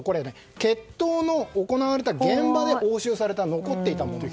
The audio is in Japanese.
決闘の行われた現場で押収された、残っていたもの。